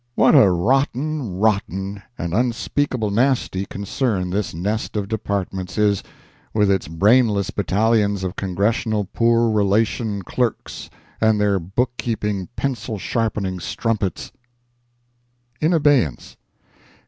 What a rotten, rotten, and unspeakable nasty concern this nest of departments is, with its brainless battalions of Congressional poor relation clerks and their book keeping, pencil sharpening strumpets. In Abeyance.